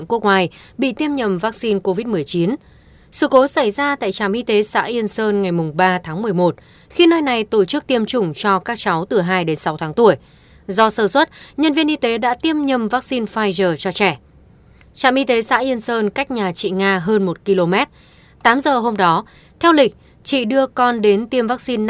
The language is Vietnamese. các bạn hãy đăng ký kênh để ủng hộ kênh của chúng mình nhé